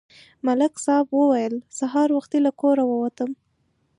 ملک صاحب وویل: سهار وختي له کوره ووتلم